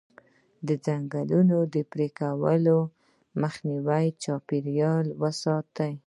د ځنګلونو د پرې کولو مخنیوی چاپیریال ساتي.